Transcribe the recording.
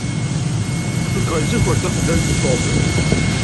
Cukkeɣ yettaker taxlalt Tom.